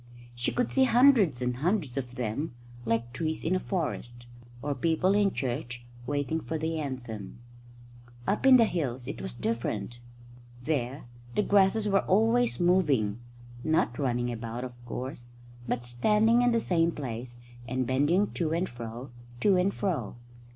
She could see hundreds and hundreds of them, like trees in a forest, or people in church waiting for the anthem. Up in the hills it was different. There the grasses were always moving not running about, of course, but standing in the same place and bending to and fro, to and fro.